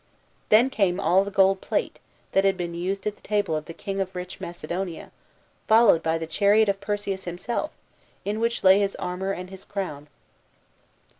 Then came all the gold 176 CONQUEGT OF GREECE. [B.C. 146. plate, that had been used at the table of the 'king of rich Macedonia, followed by the chariot of Perseus himself, in which lay his armour and his crown.